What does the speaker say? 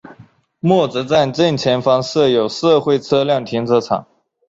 默泽站正前方设有社会车辆停车场。